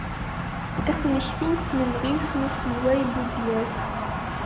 Asmekti n tmenɣiwt n uselway Buḍyaf.